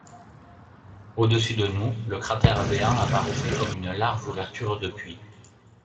Au-dessus de nous, le cratère béant apparaissait comme une large ouverture de puits.